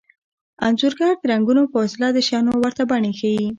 انځورګر د رنګونو په وسیله د شیانو ورته بڼې ښيي